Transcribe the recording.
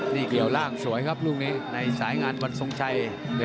นี่เกี่ยวล่างสวยครับลูกนี้ในสายงานวันทรงชัย